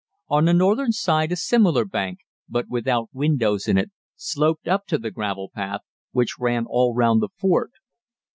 On the northern side a similar bank, but without windows in it, sloped up to the gravel path, which ran all round the fort.